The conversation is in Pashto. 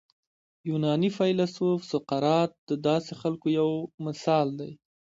یوناني فیلسوف سقراط د داسې خلکو یو مثال دی.